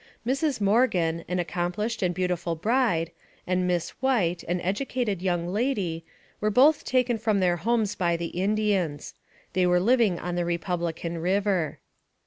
Mrs. Morgan, an accomplished and beautiful bride, and Miss White, an educated young lady, were both taken from their homes by the Indians. They were living on the Republican River.